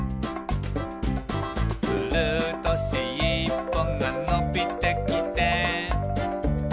「するとしっぽがのびてきて」